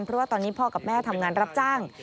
เพราะว่าตอนนี้พ่อกับแม่ทำงานรับจ้าง